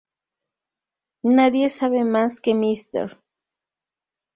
Nadie sabe más que Mr.